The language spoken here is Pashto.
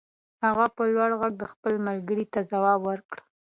هغه په لوړ غږ خپل ملګري ته ځواب ور کړ.